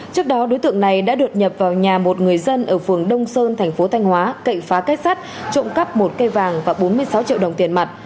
trước đó đối tượng này đã đột nhập vào nhà một người dân ở phường đông sơn thành phố thanh hóa cậy phá kết sắt trộm cắp một cây vàng và bốn mươi sáu triệu đồng tiền mặt